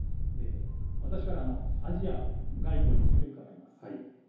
私からアジア外交について伺います。